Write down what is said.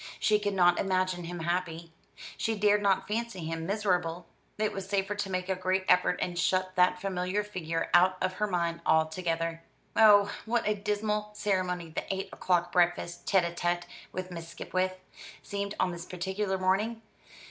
She could not imagine him happy: she dared not fancy him miserable. It was safer to make a great effort and shut that familiar figure out of her mind altogether. Oh, what a dismal ceremony the eight o'clock breakfast, tête à tête with Miss Skipwith, seemed on this particular morning!